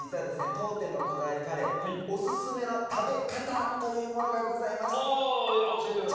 当店のこだわりカレーオススメの食べ方というものがございましてああ教えてください